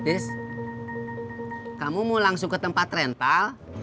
tis kamu mau langsung ke tempat rental